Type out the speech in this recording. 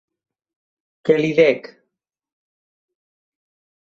Què li dec?